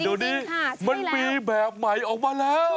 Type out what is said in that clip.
เดี๋ยวนี้มันมีแบบใหม่ออกมาแล้ว